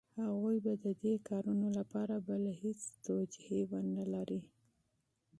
هغوی به د دې کارونو لپاره بله هېڅ توجیه ونه لري.